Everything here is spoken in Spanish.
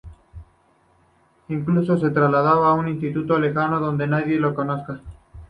Incluso se traslada a un instituto lejano donde nadie le conozca.